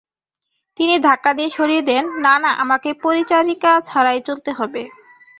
তিনি ধাক্কা দিয়ে সরিয়ে দেন—না, না, আমাকে পরিচারিকা ছাড়াই চলতে হবে।